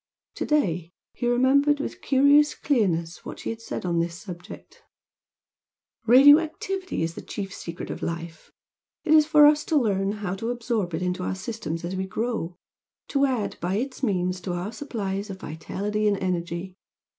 To day he remembered with curious clearness what she had said on this subject "Radio activity is the chief secret of life. It is for us to learn how to absorb it into our systems as we grow, to add by its means to our supplies of vitality and energy.